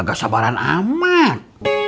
gak sabaran amat